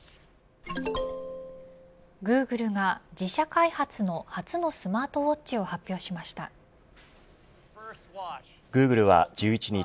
グーグルが自社開発の初のスマートウォッチをグーグルは１１日